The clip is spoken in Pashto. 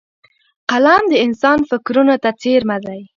قلم د انسان فکرونو ته څېرمه دی